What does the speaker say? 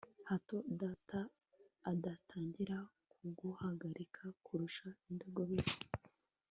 hato data adatangira kuduhangayikira kurusha indogobe ze